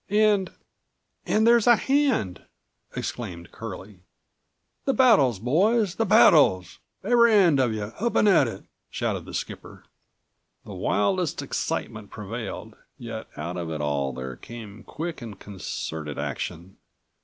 "And—and there's a hand!" exclaimed Curlie. "The paddles, boys! The paddles! Every 'and of you, hup an' at it," shouted the skipper. The wildest excitement prevailed, yet out of it all there came quick and concerted action.